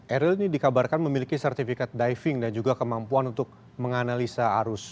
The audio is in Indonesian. eril ini dikabarkan memiliki sertifikat diving dan juga kemampuan untuk menganalisa arus